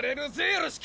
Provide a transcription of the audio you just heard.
よろしく！